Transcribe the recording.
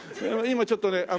今ちょっとね